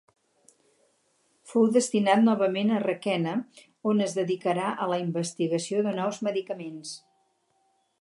Fou destinat novament a Requena, on es dedicarà a la investigació de nous medicaments.